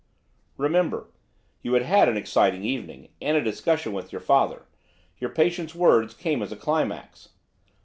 'Remember, you had had an exciting evening; and a discussion with your father. Your patient's words came as a climax.